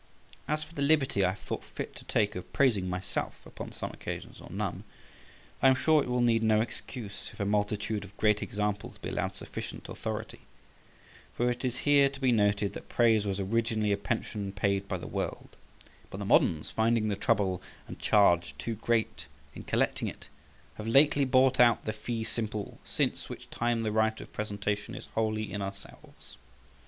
As for the liberty I have thought fit to take of praising myself, upon some occasions or none, I am sure it will need no excuse if a multitude of great examples be allowed sufficient authority; for it is here to be noted that praise was originally a pension paid by the world, but the moderns, finding the trouble and charge too great in collecting it, have lately bought out the fee simple, since which time the right of presentation is wholly in ourselves.